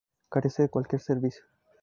Carece de cualquier servicio.